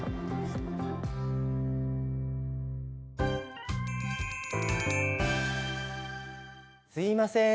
すいません。